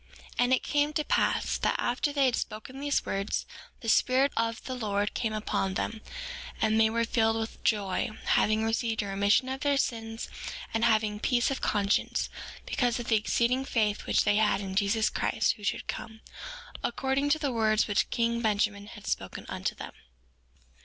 4:3 And it came to pass that after they had spoken these words the Spirit of the Lord came upon them, and they were filled with joy, having received a remission of their sins, and having peace of conscience, because of the exceeding faith which they had in Jesus Christ who should come, according to the words which king Benjamin had spoken unto them.